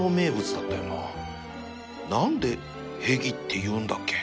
何でへぎって言うんだっけ？